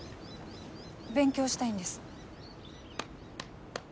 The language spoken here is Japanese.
勉強したいんです。